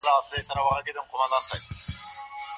ایا ملي بڼوال وچ انار صادروي؟